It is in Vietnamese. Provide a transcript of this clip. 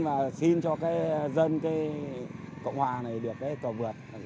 các dân cộng hòa này được cầu vượt